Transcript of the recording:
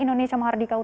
terima kasih pak